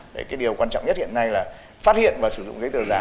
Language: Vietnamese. đấy cái điều quan trọng nhất hiện nay là phát hiện và sử dụng giấy tờ giả